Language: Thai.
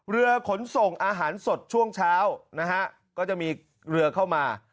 เรือขนส่งอาหารสดช่วงเช้านะฮะก็จะมีเรือเข้ามา